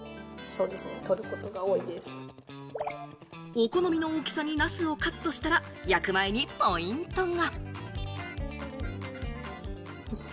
お好みの大きさにナスをカットしたら、焼く前にポイントが。